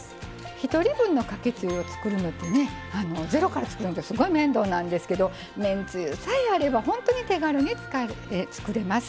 １人分のかけつゆを作るのってゼロから作るのってすごい面倒なんですけどめんつゆさえあれば本当に手軽に作れます。